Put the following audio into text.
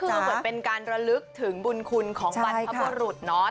คือเหมือนเป็นการระลึกถึงบุญคุณของบรรพบุรุษเนาะ